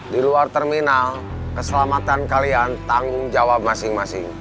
di luar terminal keselamatan kalian tanggung jawab masing masing